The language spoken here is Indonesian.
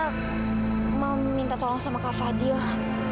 ibu juga menjaga rahasia mila jadi gak ada salahnya kalau kak mila juga menjaga rahasia ibu